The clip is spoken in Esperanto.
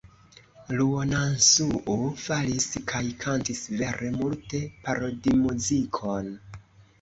Ruonansuu faris kaj kantis vere multe parodimuzikon.